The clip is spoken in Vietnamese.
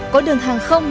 có đường hàng không